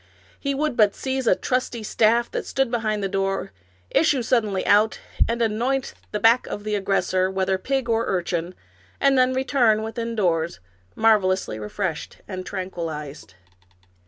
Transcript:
He would but seize a trusty staff that stood behind the door, issue suddenly out, and anoint the back of the aggressor, whether pig or urchin, and then return within doors, marvelously refreshed and tranquilized.